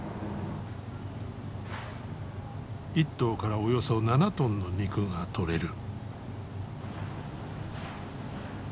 １頭からおよそ７トンの肉が取れる。